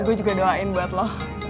gue juga doain buat lo